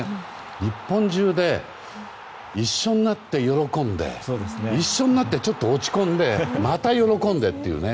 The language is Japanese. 日本中で一緒になって喜んで一緒になってちょっと落ち込んでまた喜んでっていうね。